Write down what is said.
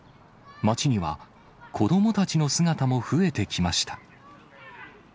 街には子どもたちの姿も増えてきました。